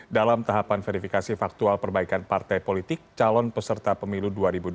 dalam tahapan verifikasi faktual perbaikan partai politik calon peserta pemilu dua ribu dua puluh